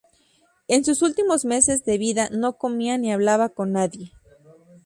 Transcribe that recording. En sus últimos meses de vida no comía ni hablaba con nadie.